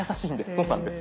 そうなんです。